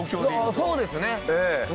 そうですね。